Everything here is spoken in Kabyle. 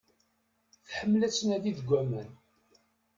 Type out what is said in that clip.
Tḥemmel ad tnadi deg aman.